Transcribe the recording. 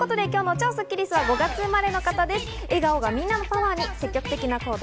超スッキりすは５月生まれの方です。